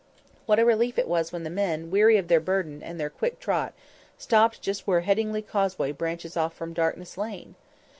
What a relief it was when the men, weary of their burden and their quick trot, stopped just where Headingley Causeway branches off from Darkness Lane!